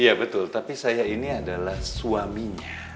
iya betul tapi saya ini adalah suaminya